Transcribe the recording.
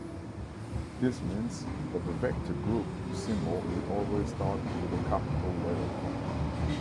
This means that the vector group symbol will always start with a capital letter.